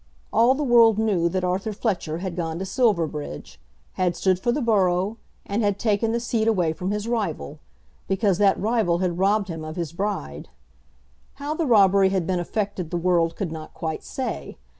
All the world knew that Arthur Fletcher had gone to Silverbridge, had stood for the borough, and had taken the seat away from his rival, because that rival had robbed him of his bride. How the robbery had been effected the world could not quite say.